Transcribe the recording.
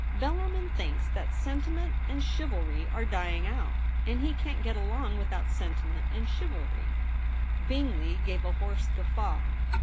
Bellarmin thinks that sentiment and chivalry are dying out, TOMMY TRESSEL. 131 and he can't get along without sentiment and chivalry/ Bingley gave a hoarse guffaw.